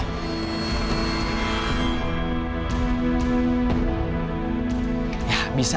go hal yang lebih luar